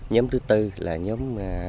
nhóm thứ tư là nhóm